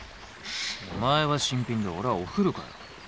お前は新品で俺はお古かよ。